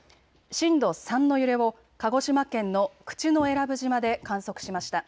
震度３の揺れを鹿児島県の口永良部島で観測しました。